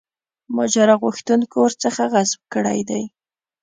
ماجرا غوښتونکو ورڅخه غصب کړی دی.